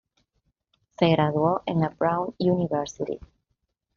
Se graduó en la Brown University.